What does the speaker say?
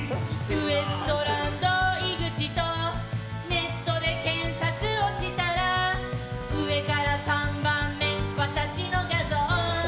ウエストランド井口とネットで検索をしたら上から３番目、私の画像。